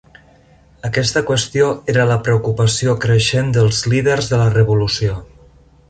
Aquesta qüestió era la preocupació creixent dels líders de la Revolució.